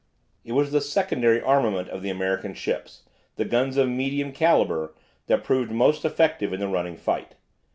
It was the secondary armament of the American ships, the guns of medium calibre, that proved most effective in the running fight.